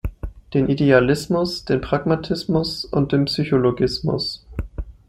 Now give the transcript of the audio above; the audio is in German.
Den Idealismus, den Pragmatismus und den „Psychologismus“.